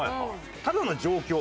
ただの状況。